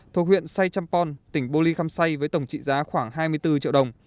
thuộc huyện say champon tỉnh bô ly khăm say với tổng trị giá khoảng hai mươi bốn triệu đồng